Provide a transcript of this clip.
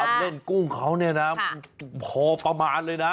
เล่นกุ้งเขาเนี่ยนะพอประมาณเลยนะ